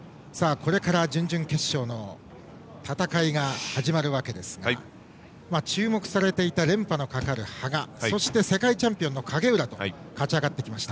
これから準々決勝の戦いが始まるわけですが注目されていた連覇のかかる羽賀そして世界チャンピオンの影浦と勝ち上がってきました。